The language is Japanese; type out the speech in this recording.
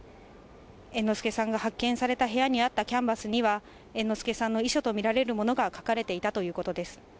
猿之助さんが発見された部屋にあったキャンバスには、猿之助さんの遺書と見られるものが書かれていたということです。